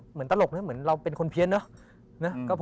ตลกนะเหมือนเราเป็นคนเพี้ยนเนอะ